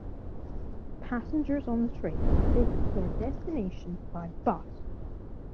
Passengers on the train were taken to their destinations by bus.